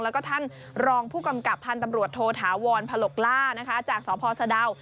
แล้วก็ท่านรองผู้กำกับพันธ์ตำรวจโทธาวรพลกล่านะคะจากสพสะดาว